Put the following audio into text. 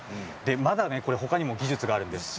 まだほかにも技術があるんです。